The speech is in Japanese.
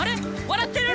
笑ってる？